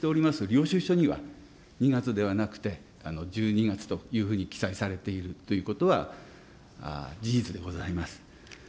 領収書には、２月ではなくて１２月というふうに記載されているということは、事実でございます。